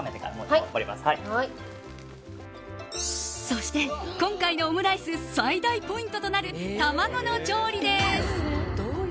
そして、今回のオムライス最大ポイントとなる卵の調理です。